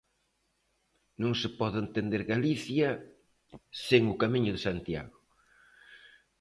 Non se pode entender Galicia sen o Camiño de Santiago.